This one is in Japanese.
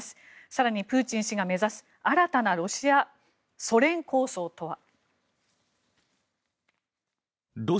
更に、プーチン氏が目指す新たなソ連構想とは。